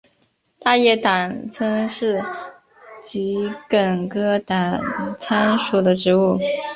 大叶党参是桔梗科党参属的植物。